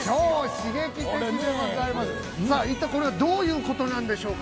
さあ、一体これは、どういったことなんでしょうか。